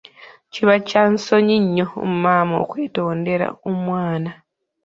Kiba kya nsonyi nnyo maama okwetondera omwana.